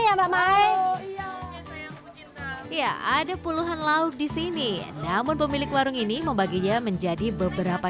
ya pak mai iya ada puluhan laut di sini namun pemilik warung ini membaginya menjadi beberapa